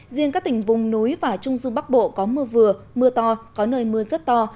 riêng các tỉnh vùng núi và trung dung bắc bộ có mưa vừa mưa to có nơi mưa rất to